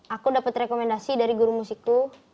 aku dapat rekomendasi dari guru musikku